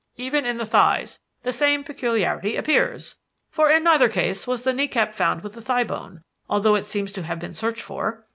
Even in the thighs the same peculiarity appears; for in neither case was the knee cap found with the thigh bone, although it seems to have been searched for.